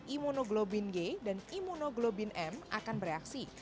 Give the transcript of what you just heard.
imunoglobin g dan imunoglobin m akan bereaksi